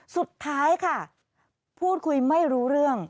สุดท้ายค่ะพูดคุยไม่รู้เรื่อง